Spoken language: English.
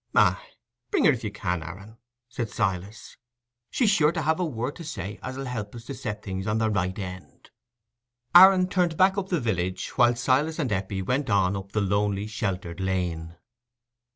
"Aye, bring her if you can, Aaron," said Silas; "she's sure to have a word to say as'll help us to set things on their right end." Aaron turned back up the village, while Silas and Eppie went on up the lonely sheltered lane.